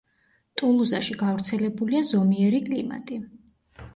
ტულუზაში გავრცელებულია ზომიერი კლიმატი.